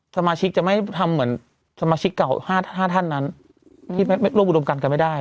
สมาชิกจะไม่ทำเหมือนสมาชิกเก่า๕ท่านนั้นที่ร่วมอุดมกันกันไม่ได้